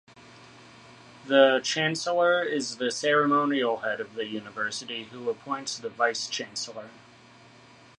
The Chancellor is the ceremonial head of the university who appoints the Vice-chancellor.